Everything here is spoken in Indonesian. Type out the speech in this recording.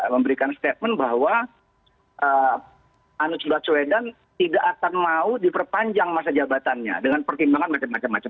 memberikan statement bahwa anies baswedan tidak akan mau diperpanjang masa jabatannya dengan pertimbangan macam macam